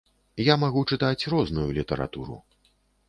Я магу чытаць розную літаратуру.